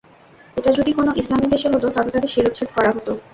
এটা যদি কোনো ইসলামি দেশে হতো তবে তাদের শিরশ্ছেদ করা হতো।